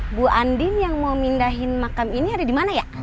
ibu andin yang mau mindahin makam ini ada di mana ya